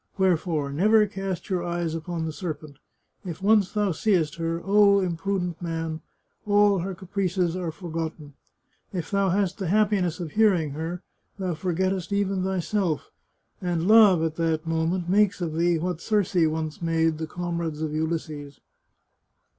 Wherefore, never cast your eyes upon the serpent; if once thou seest her, oh, imprudent man, all her caprices are for gotten. If thou hast the happiness of hearing her, thou for gettest even thyself, and love, at that moment, makes of thee what Circe once made the comrades of Ulysses."